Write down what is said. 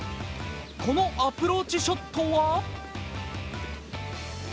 このアプローチショットは？